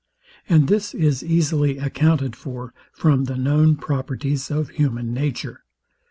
And this is easily accounted for from the known properties of human nature.